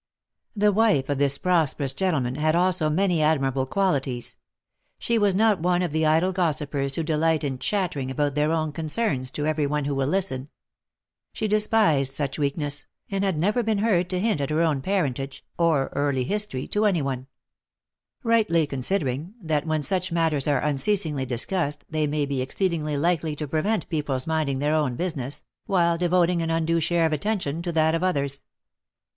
The wife of this prosperous gentleman had also many admirable qualities. She was not one of the idle gossipers who delight in chattering about their own concerns to every one who will listen ; she despised such weakness, and had never been heard to hint at her own parentage, or early history, to any one; rightly considering, that when such matters are unceasingly discussed, they may be ex ceedingly likely to prevent people's minding their own business, while devoting an undue share of attention to that of others. OF MICHAEL ARMSTRONG.